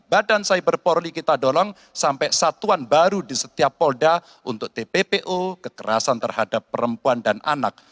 badan cyber polri kita dorong sampai satuan baru di setiap polda untuk tppo kekerasan terhadap perempuan dan anak